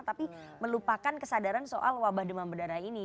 tapi melupakan kesadaran soal wabah demam berdarah ini